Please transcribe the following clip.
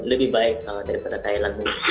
lebih baik daripada thailand